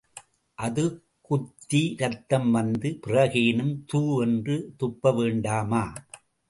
அது குத்தி, இரத்தம் வந்த பிறகேனும் தூ என்று துப்ப வேண்டாமா?